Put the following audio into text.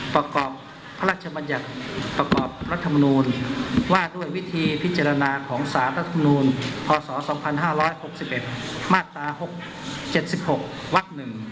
ประกอบพระราชบัญญัติประกอบรัฐมนูลว่าด้วยวิธีพิจารณาของสารรัฐมนูลพศ๒๕๖๑มาตรา๖๗๖วัก๑